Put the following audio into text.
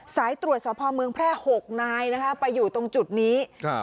สายตรวจสภาพเมืองแพร่๖นายไปอยู่ตรงจุดนี้